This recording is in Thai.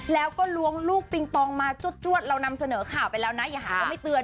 แล้วก็ล้วงลูกปิงปองมาจวดเรานำเสนอข่าวไปแล้วนะอย่าหาว่าไม่เตือน